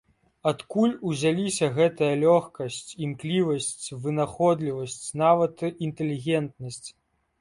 Адкуль узяліся гэтая лёгкасць, імклівасць, вынаходлівасць, нават інтэлігентнасць?